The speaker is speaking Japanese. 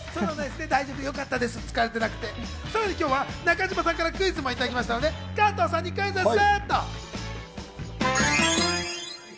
さらに今日は中島さんからクイズもいただきましたので、加藤さんにクイズッス！